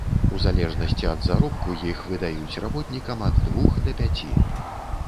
У залежнасці ад заробку іх выдаюць работнікам ад двух да пяці.